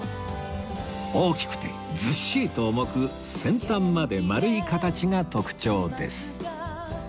大きくてずっしりと重く先端まで丸い形が特徴です